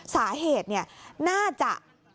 สาเหตุเนี่ยน่าจะ